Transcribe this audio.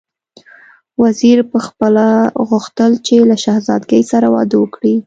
وزیر پخپله غوښتل چې له شهزادګۍ سره واده وکړي.